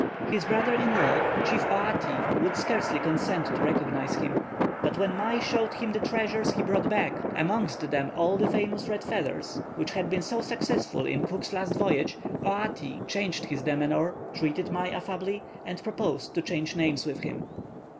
His brother in law, chief Outi, would scarcely consent to recognize him, but when Mai showed him the treasures he brought back, amongst them all the famous red feathers, which had been so successful in Cook's last voyage, Oati changed his demeanour, treated Mai affably, and proposed to change names with him.